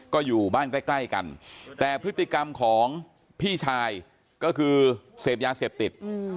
ก็อยู่บ้านใกล้ใกล้กันแต่พฤติกรรมของพี่ชายก็คือเสพยาเสพติด